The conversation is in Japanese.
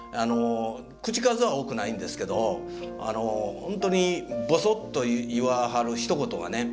口数は多くないんですけどほんとにぼそっと言わはるひと言がね